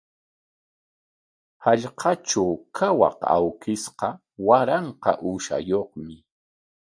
Hallqatraw kawaq awkishqa waranqa uushayuqmi.